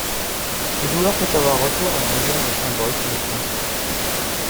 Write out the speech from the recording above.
Le joueur peut avoir recours à une réserve de symboles s'il est coincé.